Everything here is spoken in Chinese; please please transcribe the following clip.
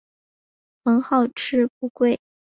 很好吃不贵